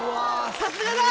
さすがだ！